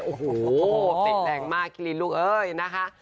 โอ้โหเตะแรงมากกิลินลูกเอ้ยนะคะ